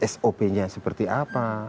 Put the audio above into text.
sop nya seperti apa